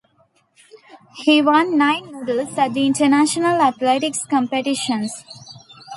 He won nine medals at the International athletics competitions.